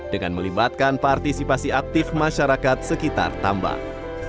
dengan melibatkan partisipasi aktif masyarakat sekitar tambang